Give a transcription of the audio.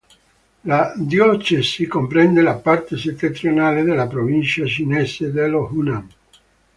La diocesi comprende la parte settentrionale della provincia cinese dello Hunan.